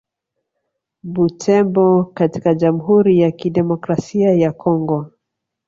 Butembo katika Jamhuri ya Kidemokrasia ya Kongo